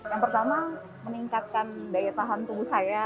yang pertama meningkatkan daya tahan tubuh saya